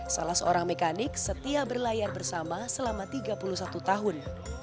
salah seorang mekanik setia berlayar bersama selama tiga puluh satu tahun